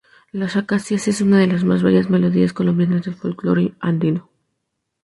Las acacias es una de las más bellas melodías colombianas del folclor andino.